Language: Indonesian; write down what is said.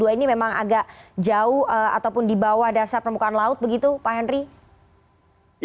ini memang agak jauh ataupun di bawah dasar permukaan laut begitu pak henry